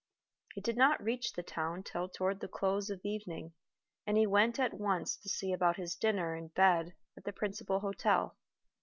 He did not reach the town till toward the close of evening, and he went at once to see about his dinner and bed at the principal hotel.